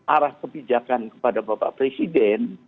arah kebijakan kepada bapak presiden